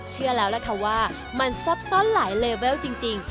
เชื่อแล้วล่ะค่ะว่ามันซับซ้อนหลายเลเวลจริง